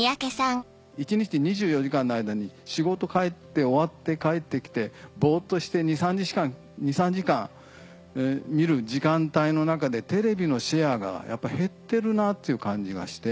一日２４時間の間に仕事終わって帰ってきてぼっとして２３時間見る時間帯の中でテレビのシェアがやっぱ減ってるなっていう感じがして。